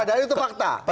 padahal itu fakta